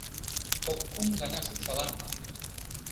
Кок-кум гана шупшалам...